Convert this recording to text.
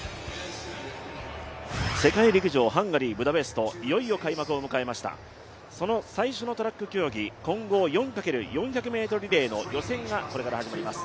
世界陸上ハンガリー・ブダペスト、いよいよ開幕を迎えました、その最初のトラック競技混合４×４００ｍリレーの予選がこれから始まります。